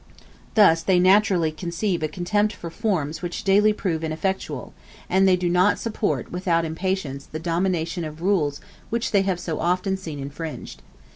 Thus they naturally conceive a contempt for forms which daily prove ineffectual; and they do not support without impatience the dominion of rules which they have so often seen infringed.